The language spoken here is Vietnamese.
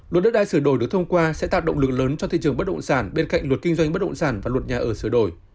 luật đất đai sửa đổi được thông qua sẽ tạo động lực lớn cho thị trường bất động sản bên cạnh luật kinh doanh bất động sản và luật nhà ở sửa đổi